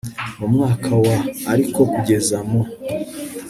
mu mwaka wa ariko kugeza mu